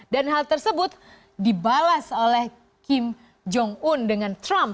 dan hal tersebut dibalas oleh kim jong un dengan trump